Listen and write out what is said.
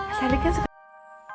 mas ardi kan suka masakan aku